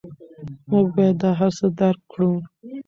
موږ باید دا هر څه درک کړو.